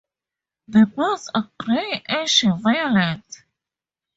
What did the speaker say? The buds are grey-ashy-violet.